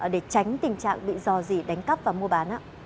để tránh tình trạng bị do gì đánh cắp và mua bán ạ